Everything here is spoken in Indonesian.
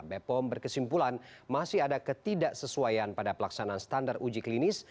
bepom berkesimpulan masih ada ketidaksesuaian pada pelaksanaan standar uji klinis